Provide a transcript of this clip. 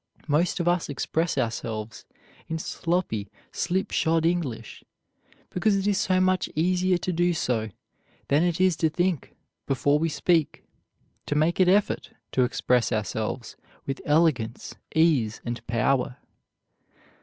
Most of us express ourselves in sloppy, slipshod English, because it is so much easier to do so than it is to think before we speak, to make an effort to express ourselves with elegance, ease, and power.